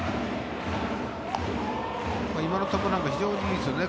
今の球なんか非常にいいですよね。